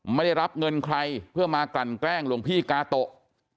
ไม่ได้รับเงินใครเพื่อมากลั่นแกล้งหลวงพี่กาโตะ